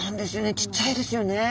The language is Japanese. ちっちゃいですよね。